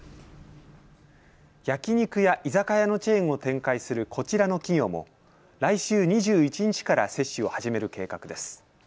焼き肉や居酒屋のチェーンを展開するこちらの企業も来週２１日から接種を始める計画です。